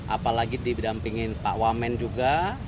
apalagi didampingin pak wamen juga